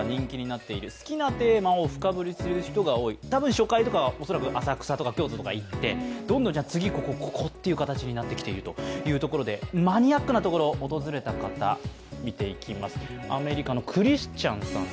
初回とかは、恐らく浅草とか京都へ行ってどんどん次、ここという形になってきているというところでマニアックなところを訪れた方を見ていきます。